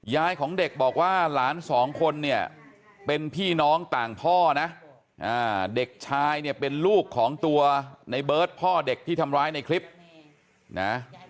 ยายของเด็กบอกว่าหลานสองคนเนี่ยเป็นพี่น้องต่างพ่อนะเด็กชายเนี่ยเป็นลูกของตัวในเบิร์ตพ่อเด็กที่ทำร้ายในคลิปนะ